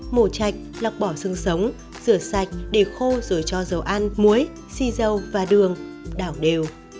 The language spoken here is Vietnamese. mổ chạch lọc bỏ sưng sống rửa sạch để khô rồi cho dầu ăn muối si dâu và đường đảo đều